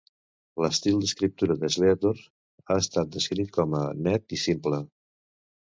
L'estil d'escriptura de Sleator ha estat descrit com a net i simple.